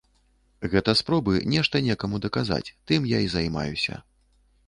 Гэта спроба нешта некаму даказаць, тым я і займаюся.